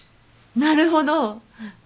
なるほど。